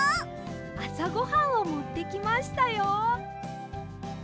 あさごはんをもってきましたよ。